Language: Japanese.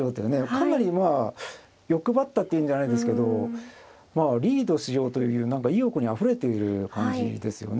かなりまあ欲張ったっていうんじゃないですけどまあリードしようという何か意欲にあふれている感じですよね。